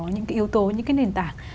những cái yếu tố những cái nền tảng